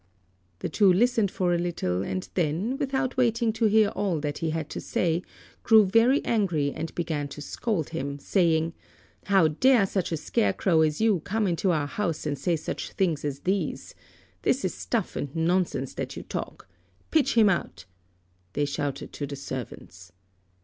The two listened for a little and then, without waiting to hear all that he had to say, grew very angry and began to scold him, saying, "How dare such a scarecrow as you come into our house and say such things as these? This is stuff and nonsense that you talk. Pitch him out," they shouted to the servants.